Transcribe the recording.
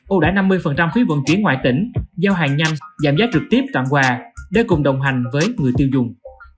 ồ đã năm mươi phí vận chuyển ngoại tỉnh giao hàng nhanh giảm giá trực tiếp tạm quà để cùng đồng hành với người tiêu dùng